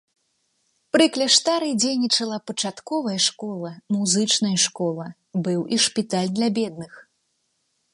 Пры кляштары дзейнічала пачатковая школа, музычная школа, быў і шпіталь для бедных.